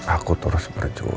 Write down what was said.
aku terus berjuang